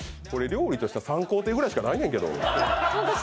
料理としては３工程ぐらいしかないんだけど。